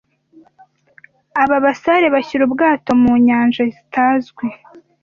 Aba basare bashyira ubwato mu nyanja zitazwi.